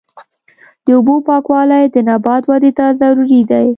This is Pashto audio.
د اوبو پاکوالی د نبات ودې ته ضروري دی.